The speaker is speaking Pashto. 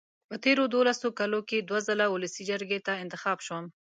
په تېرو دولسو کالو کې دوه ځله ولسي جرګې ته انتخاب شوم.